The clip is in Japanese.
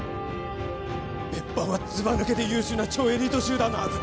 別班はずば抜けて優秀な超エリート集団のはず